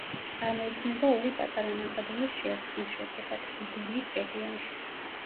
წარმოიქმნება ორი პატარა ნაკადულის შერწყმის შედეგად, ლიგურიის რეგიონში.